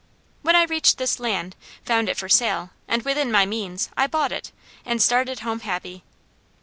When I reached this land, found it for sale, and within my means, I bought it, and started home happy.